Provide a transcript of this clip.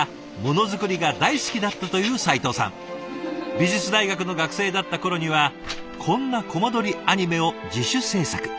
美術大学の学生だった頃にはこんなコマ撮りアニメを自主制作。